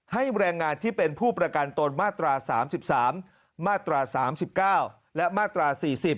แรงงานที่เป็นผู้ประกันตนมาตรา๓๓มาตรา๓๙และมาตรา๔๐